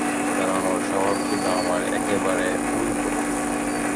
কারণ ওর স্বভাব ছিল আমার একেবারে উলটো।